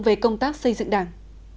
về công tác xây dựng đảng